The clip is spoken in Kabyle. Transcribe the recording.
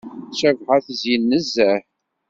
Cabḥa tezyen nezzeh.